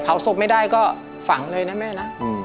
เผาศพไม่ได้ก็ฝังเลยนะแม่นะอืม